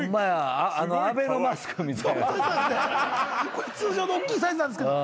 これ通常のおっきいサイズなんですけど。